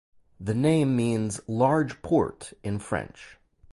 The name means "large port" in French.